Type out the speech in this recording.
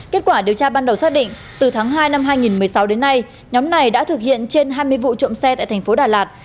kết quả điều tra ban đầu xác định từ tháng hai năm hai nghìn một mươi sáu đến nay nhóm này đã thực hiện trên hai mươi vụ trộm xe tại thành phố đà lạt